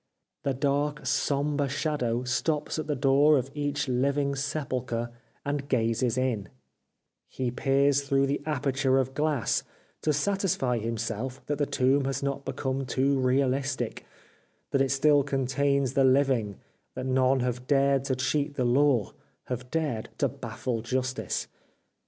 The dark, sombre shadow stops at the door of each living sepulchre, 397 The Life of Oscar Wilde and gazes in ; he peers through the aperture of glass, to satisfy himself that the tomb has not become too realistic, that it still contains the living, that none have dared to cheat the law — have dared to baffle Justice.